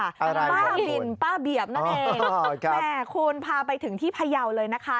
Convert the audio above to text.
ป้าบินป้าเบียบนั่นเองแหมคุณพาไปถึงที่พยาวเลยนะคะ